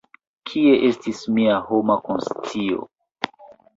Kie estis mia homa konscio?